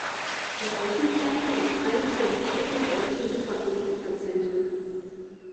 Das Rechenzentrum ist eines der wichtigen deutschen Supercomputer-Zentren.